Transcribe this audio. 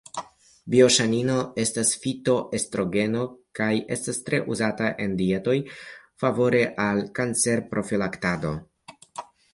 Bioŝanino estas fitoestrogeno kaj estas tre uzata en dietoj favore al kancerprofilaktado.